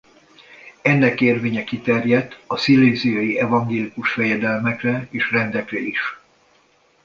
Ennek érvénye kiterjedt a sziléziai evangélikus fejedelmekre és rendekre is.